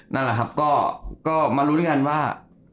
นั่นแหละครับก็มารู้ด้วยกันว่า